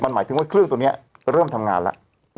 มันหมายถึงว่าเครื่องตัวเนี่ยเริ่มทำงานละ